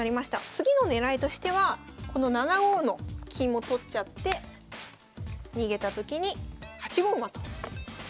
次の狙いとしてはこの７五の金も取っちゃって逃げたときに８五馬と。